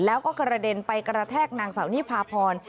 แล้วก็กระเด็นไปกระแทกนางสาวนิพาพร